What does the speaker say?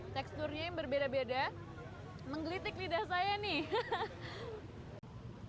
teksturnya yang berbeda beda menggelitik lidah saya nih